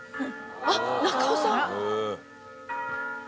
あっ中尾さん。